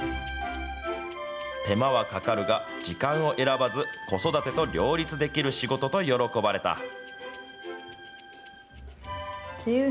手間はかかるが、時間を選ばず、子育てと両立できる仕事と喜ばれた。